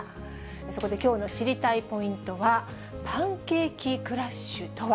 そこできょうの知りたいポイントは、パンケーキクラッシュとは。